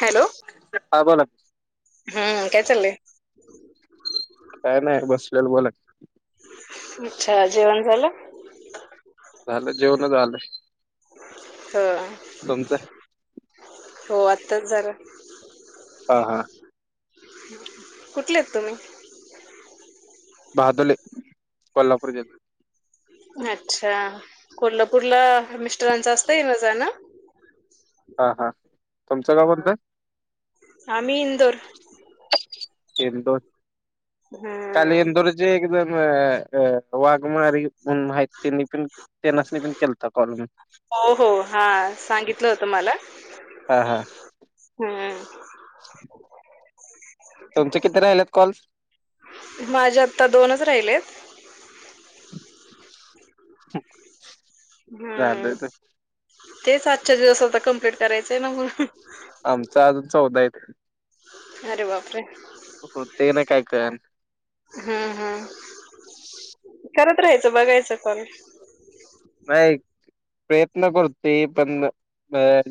Hello! हा बोला. हम्म काय चालय. काय नाही बसलोय बोल. अच्छा जेवण झालं? झालं जेवण झालं हं. तुमचं हो आत्ताच झालं. हा हा कुठलेत तुम्ही? बाहादुरले कोल्हापूर जवळ. अच्छा! कोल्हापूरला मिस्टरांचा असत येन जान. हा हा तुमचं गावं कोणतं. आम्ही इंदोर इंदोर, खाली हम्म इंदोर चे वाघमारी म्हणून आहेत त्यांनी पण त्यांनासनी पण केलता कॉल मी. हो हो हा सांगितलं होतं मला. हा हा हम्म [inaudible] तुमचे किती राहिलेत कॉल माझे आता दोनच राहिले आहेत. [inaudible] हम्म झालं तेच आजच्या दिवस आता कम्प्लीट करायचंय ना म्हणून- आमच अजून चौदा आहेत. अरे बापरे! होतय का नाही काय कळना. हम्म हम्म करत राहायचं बघायचं काॅल. नाही. प्रयत्न करतोय पण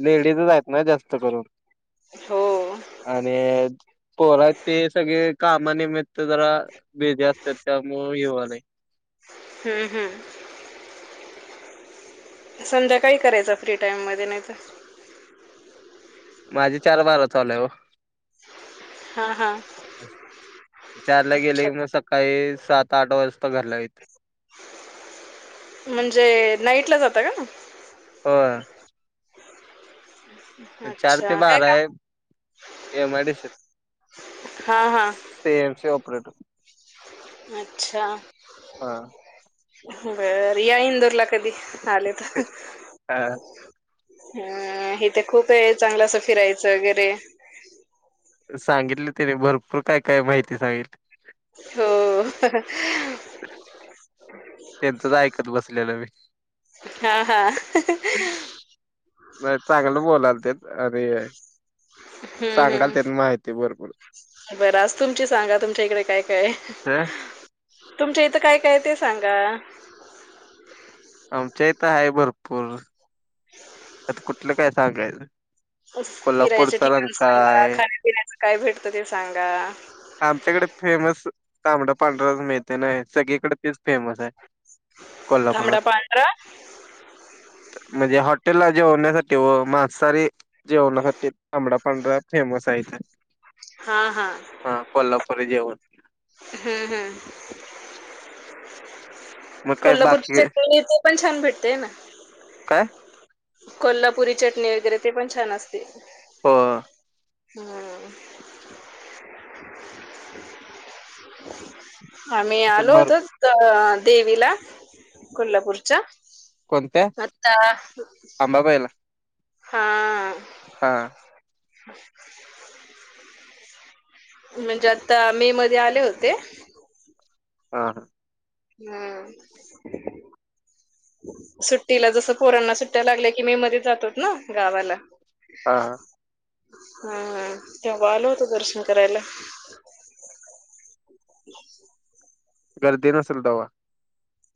लेडीजच आहेत ना जास्त करून. हो आणि पोर आहेत सगळे कामानिमित्त जरा, बीजी अस्तात त्यामुळं हे वायलय. हम्म हम्म संध्याकाळी करायचा फ्री टाइममध्ये नाही तर. माझे चार बारा [unintelligible] हां. हां. चारला गेले का मग सकाळी सात आठ वाजता घरला येत. म्हणजे नाईट ला जाता का? होय. चार ते अच्छा काय का बाराए. एम आय डी सी त. हा हा ते [unintelligible] अच्छा. हा. बर. या इंदूर ला कधी आले तर. हं. इथ खूप आहे. चांगल असं फिरायचं वगैरे. सांगितले तिने. भरपूर काय काय माहिती सांगितली. हो. त्यांच काय ऐकत बसलेलो मी. हा. हा. नाही चांगलं बोलालते. अरे. हं हं. भरपूर. बरं आज तुमच सांगा तुमच्या इकडे काय? काय? ह तुमच्या इथं काय काय ते सांगा. आमच्या इथं आहे भरपूर. आता कुठलं काय सांगायचं. फिरायच कोल्हापूरचा ठिकाण रंकाळा सांगा. आहे खाण्यापिण्याचं काय भेटतं ते सांगा. आमच्याकडे फेमस तांबडा पांढरा मिळत. नाही सगळीकडे तेच फेमस आहे. कोल्हापुरात. तांबडा पांढरा म्हणजे हा - -टेलला जेवण्यासाठी हो मांसाहारी जेवणासाठी तांबडा पांढरा फेमस आहे इथ. हा. हा. हां. कोल्हापूरी जेवण. हम्म. हम्म. मग काय कोल्हापूरच ते बाकी [unintelligible] पण छान भेटतेय ना? काय? कोल्हापुरी चटणी वगैरे ते पण छान असते. हो. हम. आम्ही असं आलो भर होतो. अ देवीला. कोल्हापूरच्या. [unintelligible] अंबाबाईला. हां. हा. ह म्हणजे आत्ता मे मध्ये आले होते. हा. हा. हम्म. सुट्टीला जस पोरांना सुट्ट्या लागल्या की मे मध्ये जातोत ना गावाला हा हा, हा तेव्हा आल होतो दर्शन करायला गर्दी नसल तवा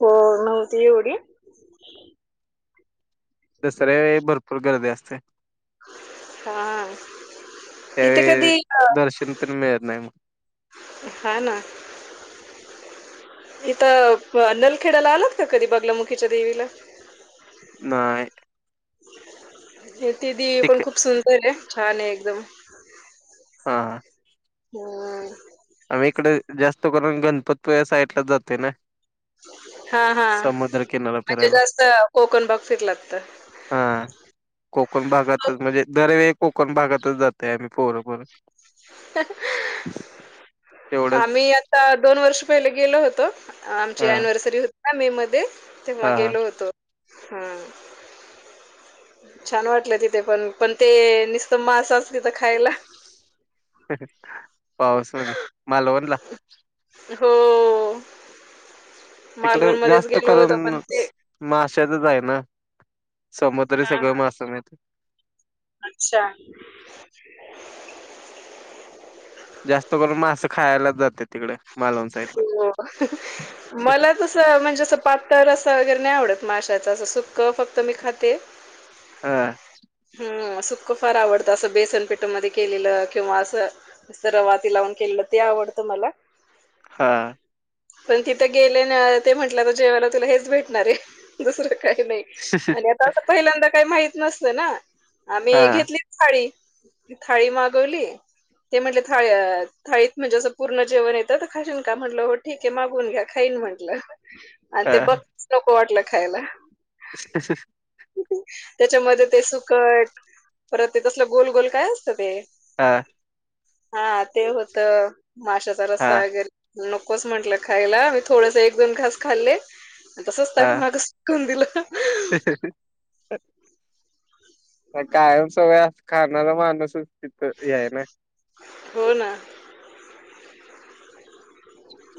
हो नव्हती एवढी दसऱ्या वेळी भरपूर गर्दी असत्या हा इथ कधी अ तर मिळत नाही मग हा ना इथं अ नलखेड्याला आलात का कधी बागलामुखीच्या देवीला नाही ह ती देवी ठीक पण आहे खूप सुंदर आहे छान आहे एकदम हा हम आम्ही इकडे जास्त करून गणपतपुळे साईडला जातोय ना हा, हा समुद्र किनारा म्हणजे फिरायला जास्त कोकण भाग फिरलात तर हा कोकण भागातच म्हणजे दरवेळी कोकण भागातच जातय आम्ही पोर, पोरं तेवढंच आम्ही आता दोन वर्ष पहिले गेलो होतो आमची हा अनिव्हर्सरी होती ना मे मध्ये हा तेव्हा हा गेलो होतो ह छान वाटलं तिथे पण पण ते निसतं मासाचं तिथं खायला ह पावसमध्ये मालवणला हो मालवण मध्येच गेलो होत पण ते माश्याासच आहे ना समुद्र हा सगळं हा. मासं मात अच्छा जास्त करून मास खायलाच जातेत तिकड हो मला तस म्हणजे असं पातळ रस्सा वगैरे नाही आवडत माशाचं असं सुक्क फक्त मी खाते ह हम् सुख फार आवडतं असं बेसनपेठ मध्ये केलेलं किंवा असं असं रवा तेन लावून केलं ते आवडतं मला हा पण तिथं गेले ना ते म्हंटलं त जेवायला तुला हेच भेटणार आहे दुसरं काही नाही आणि आता असं पहिल्यांदा काही माहित नसतं ना हा आम्ही घेतली थाळी, थाळी मागवली ते म्हटले थाळी थाळीत म्हणजे असं पूर्ण जेवण येतं तर खाशीन का म्हटलं हो ठीके मागून घ्या खाईन म्हटलं आणि ते हा [unintelligible] वाटलं खायला [unintelligible] त्याच्यामध्ये ते सुकट परत ते तसलं गोल, गोल काय असतं ते आ हा ते होत माशाचा हा रस्ता वगैर नकोच म्हंटलं खायला मी थोडस एक, दोन खास खाल्ले तसच त्या हा माग शिकून दिलं कायम सवय अस कानाला बांधत होतं तिथ या ना हो ना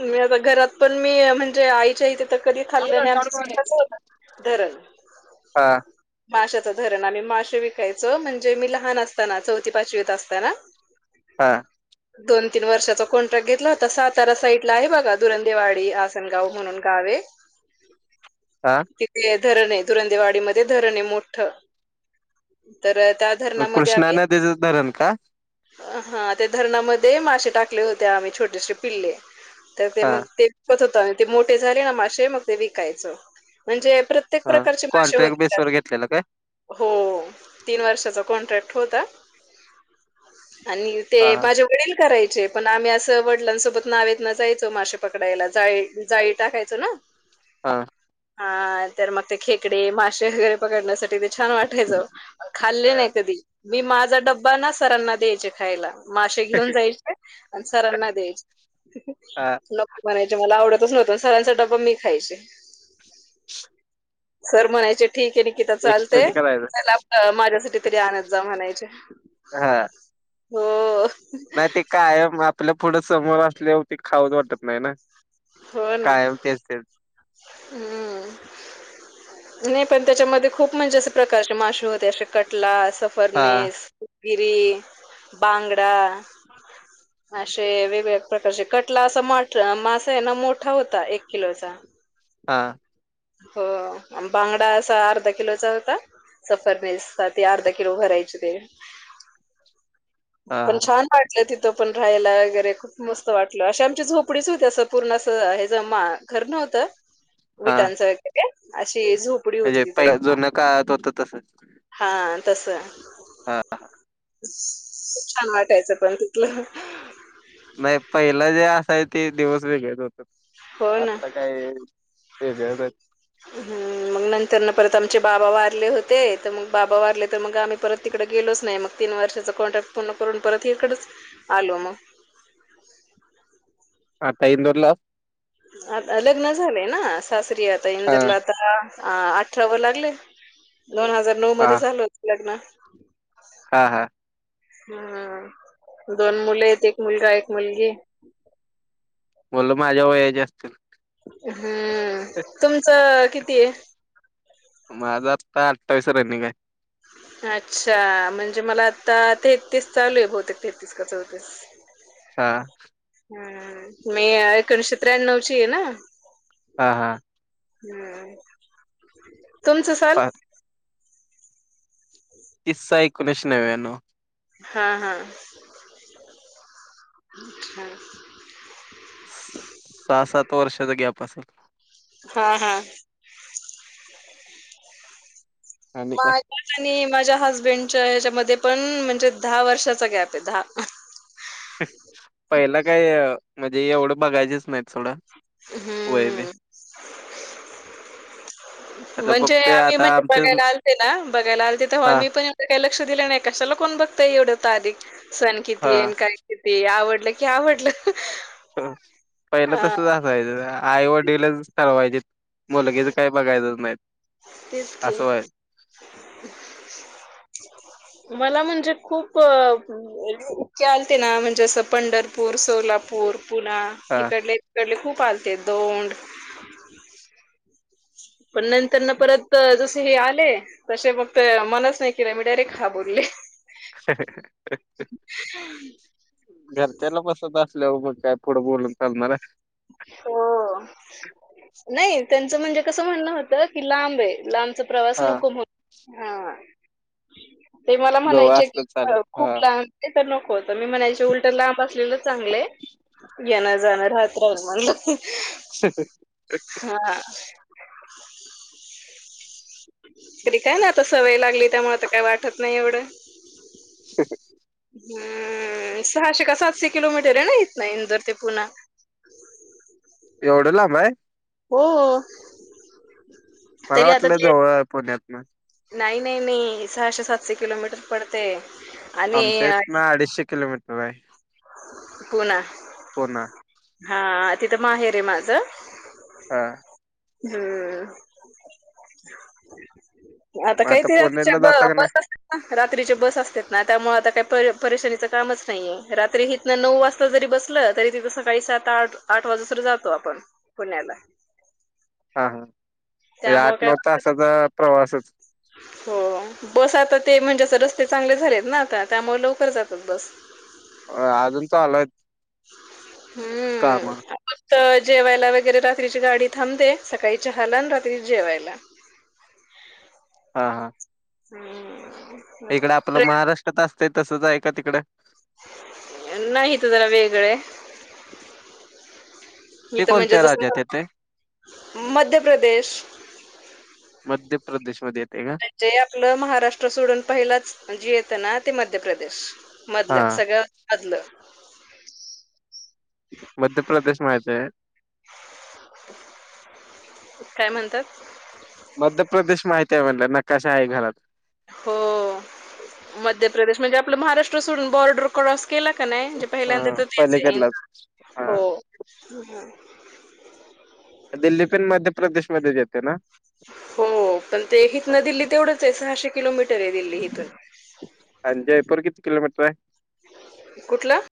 मी आता घरात पण मी म्हणजे आईच्या इथं तर कधी खाल्लं नाही. आमचं कसं होणार? धरण हा माशाचं धरण, आम्ही मासे विकायचो म्हणजे, मी लहान असताना चौथी पाचवीत असताना [inaudible] हा दोन तीन वर्षाचा कॉन्ट्रॅक्ट घेतला होता. सातारा साईट आहे बघा दुरंदेवाडी आसनगाव म्हणून गाव आहे. हा तिकडे धरण हे धुरंदेवाडीमध्ये धरण हे मोठं तर त्यात मग धरणामध्ये कृष्णा आम्ही नदीचं धरण का हा, त्या धरणामध्ये माशे टाकले होते. आम्ही छोटेसे पिल्ले तर ते हा मग ते विकत होतं आणि ते मोठे झाले ना माशे मग ते विकायचं म्हणजे प्रत्येक प्रत्येक हा प्रकारचे मासे होते कॉन्ट्रॅक्ट त्यात बेसवर घेतलेलं काय हो तीन वर्षाचा कॉन्ट्रॅक्ट होता आणि ते हा माझे वडील करायचे पण आम्ही असं वडिलांसोबत नावेत नं जायचो मासे पकडायला जाळी जाळी टाकायचं ना हा हा तर मग ते खेकडे, माशे पकडण्यासाठी ते छान वाटायचं खाल्ले नाही कधी. मी माझा डब्बा ना सरांना द्यायचे खायला, मासेे घेऊन जायचे आणि सरांना द्यायचे. हा नको म्हणायचे मला आवडतच नव्हतं सरांचा डबा मी खायचे. सर म्हणायचे ठीक आहे इथ एक्सचेंज चालतंय करायचं चला माझ्यासाठी तरी आणत जा म्हणायचे. हा हो नाही ते, कायम आपल्या पुढं समोर असल्यावरती खाऊचं वाटत नाही ना हो ना कायम तेच तेच हम्म नाही पण, त्याच्यामध्ये खूप म्हणजे असे प्रकारचे मासे होते असे कटला अस हा परनेस, गिरी, बांगडा [inaudible] असे वेगवेगळ्या प्रकारचे कटला असा मासा आहे ना मोठा होता. एक किलोचा हा हो अन बांगडा असा अर्धा किलोचा होता. सफरनेस त ते अर्धा किलो भरायचे ते हा पण हा छान वाटलं तिथं, पण राहायला वगैरे खूप मस्त वाटलं, अशी आमची झोपडीच होती असं पूर्ण असं हेज घर नव्हतं हा त्यांचा एक अशी झोपडी होती तिथं काळ्यात होतं तसंच हा तसं हा हा खूप छान वाटायचं पण तिथलं. नाही, पहिला जे असायचं ते दिवस वेगळेच होते. हो ना. आता काय वेगळंच हाईत हम्म मग नंतरनं परत आमचे बाबा वारले होते. तर मग बाबा वारले तर मग आम्ही परत तिकडे गेलोच नाही. मग तीन वर्षाचा कॉन्ट्रॅक्ट पूर्ण करून परत इकडेच आलो मग. आता इंदूरला... आता लग्न झालेय ना सासरी आता हा इंदूरला आता. अ अठरा व लागले दोन हजार नऊ हा मध्ये झाल होत लग्न. हा हा... हा... दोन मुले आहेत एक मुलगा एक मुलगी. म्हलं माझ्या वयाचे असतील. हम्म तुमचं किती हे. माझं आत्ता अठ्ठावीस रनिंग आहे. अच्छा! म्हणजे मला आता तेहतीस चालू आहे बहुतेक तेहतीस का चौतीस. हा.... हम् मी एकोणीशे त्र्याण्णव ची आहे ना. हा हा.. ह हं... तुमचं सांग. पा तीस सहा एकोणीसे नव हा हा... सहा सात वर्षाचा गॅप असेल. हा हा.... [inaudible] आणि माझ्या काय आणि माझ्याहसबँड च्या ह्याच्यामध्ये पण म्हणजे दहा वर्षाचा गॅप आहे दहा. पहिलाकाय म्हणजे एवढं बघायचेच नाहीत थोडं. हम्म... होय वे.... म्हणजे आम्ही म्हण बघायला आलते ना बघायला आलते तेव्हा हा आम्ही पण. काही लक्ष दिलं नाही कशाला कोण बघताय एवढं तारीख सण किती हा येन काय. किती आवडलं की आवडलं. हो पहिलं हां, तस झाल. पहिले तर आई-वडीलच बघायची मुलगी काहीठरल नाही त मला म्हणजे खूप... आलते ना म्हणजे पंढरपूर, सोलापूर, पुना. हा इक डले तिकडले खूप आलते दोन. पण नंतर ना परत जस हे आले. तसे फक्त मनच नाही केले मी डायरेक्ट हा बोलले. [inaudible] हम्.... घरच्याला पसंत असल्यावर मग काय पुढं बोलून चालणार आहे. हो... नाही त्यांचं म्हणजे कसं म्हणण होतं की लांब आहे लांबच. प्रवास हा नको हा... ते मला जवळ म्हणायचे असलं की चालेल हा खूप लहान. ते तर नको होत मी म्हणायचे उलट लांब असलेलं चांगलंयेणं जाणं राहत. मन... ह [inaudible] हा... [inaudible] तरी काय ना आता सवय लागली त्यामुळे आ काय वाटत नाही एवढं. हम्. हम्म सहाशे का सातशे किलोमीटर आहे ना इथं ना इंदर ते पुणा. एवढ्या लांब आहे? हो. [inaudible] मला वाटलं ते जवळ आहे पुण्यातन. नाही नाही नाही सहाशे-सातशे किलोमीटर पडते. आणि आमच्या इत अ, ना अडीचशे किलोमीटर आहे. [inaudible] पुणा. पुणा. हा तिथं माहेर आहे माझं. हा. हम्म [inaudible] आता मग काहीतच्या पुण्याला ब जाता का नाही बस रात्रीचे बस असते ना त्यामुळे आता काही परेशानीच कामच नाहीये रात्री ही नऊ वाजता जरी बसलं तरी तिथं सकाळी सात-आठ, आठ वाजे जातो आपण पुण्याला. हा हा, म्हणजे त्यामुळे काय आठ-नऊ वाटत तासाचा प्रवासच. हो. बस आता ते म्हणजे रस्ते चांगले झालेत ना आता त्यामुळे लवकर जातात बस. अ अजून चालू आहेत. काम हम्म, तिथ जेवायला वगैरे रात्रीची गाडी थांब दे सकाळी चहाला आणि रात्री जेवायला. हा हा. हम्. इकडे आपलं महाराष्ट्रात असतय तसंच आहे का तिकडे? नाही हित जरा वेगळं. [inaudible] मी ते म्हणजे कोणत्या जस राज्यात येते ना [inaudible] मध्य प्रदेश. मध्य प्रदेशमध्ये येते का? जे आपलं महाराष्ट्र सोडून पहिलाच जे येतं ना ते मध्य प्रदेश. मधलच हा सगळं मधलं. [inaudible] मध्य प्रदेश माहित आहे. [inaudible] काय म्हणतात? मध्य प्रदेश माहित आहे म्हणला नकाशा आहे घरात. हो, मध्य प्रदेश म्हणजे आपलं महाराष्ट्र सोडून बॉर्डर क्रॉस केला का नाही म्हणजे ह पहिल्यांदा तर तेच आहे, पलीकडलाच हा हो. दिल्ली पण मध्य प्रदेश मध्ये येते ना? हो पण ते हिथनं दिल्ली तेवढंच आहे सहाशे किलोमीटर आहे दिल्ली हिथून. [inaudible] आणि जयपूर किती किलोमीटर आहे? [inaudible] कुठलं?